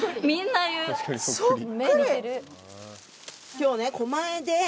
みんなで。